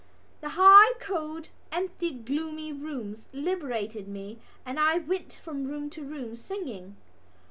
The high cold empty gloomy rooms liberated me and I went from room to room singing.